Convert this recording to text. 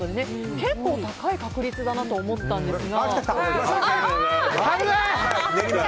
結構高い確率だなと思ったんですが。